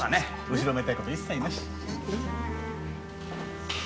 後ろめたい事一切なし。